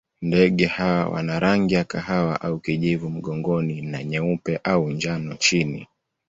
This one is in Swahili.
Ndege hawa wana rangi ya kahawa au kijivu mgongoni na nyeupe au njano chini.